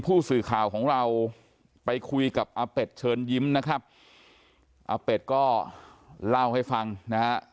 ผู้สื่อข่าวของเราไปคุยกับอาเป็ดเชิญยิ้มนะครับอาเป็ดก็เล่าให้ฟังนะฮะ